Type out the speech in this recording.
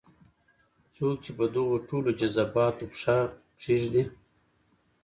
څوک چې په دغو ټولو جذباتو پښه کېږدي.